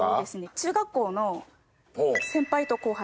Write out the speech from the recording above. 中学校の先輩と後輩。